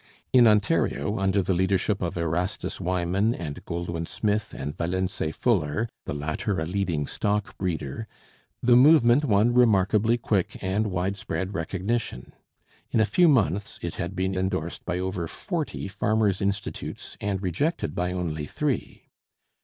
In Ontario, under the leadership of Erastus Wiman and Goldwin Smith and Valencay Fuller, the latter a leading stock breeder, the movement won remarkably quick and widespread recognition: in a few months it had been endorsed by over forty Farmers' Institutes and rejected by only three.